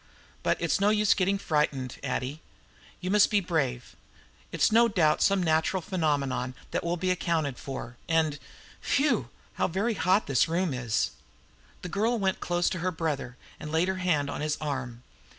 But it's no use getting frightened, Addie; you must be brave. It's no doubt some natural phenomena that will be accounted for. And phew, how very hot this room is!" The girl went close to her brother, and laid her hand on his arm.